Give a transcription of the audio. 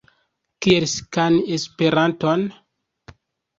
Kiel skani Esperanton?